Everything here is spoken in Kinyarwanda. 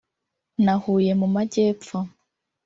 na Huye mu Majyepfo